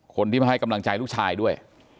คนที่มาให้กำลังใจลูกชายด้วย